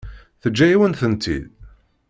Teǧǧa-yawen-tent-id?